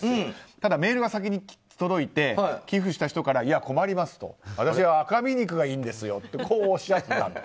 ただメールが先に届いて寄付した人からいや、困りますと私は赤身肉がいいんですよとおっしゃったんです。